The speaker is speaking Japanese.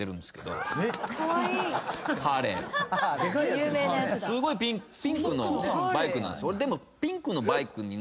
すごいピンクのバイク。